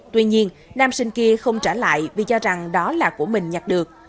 tuy nhiên nam sinh kia không trả lại vì cho rằng đó là của mình nhặt được